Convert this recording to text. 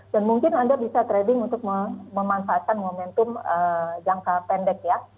dan mungkin anda bisa trading untuk memanfaatkan momentum jangka pendek ya